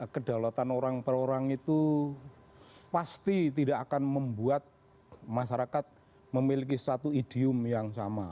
kedaulatan orang per orang itu pasti tidak akan membuat masyarakat memiliki satu idiom yang sama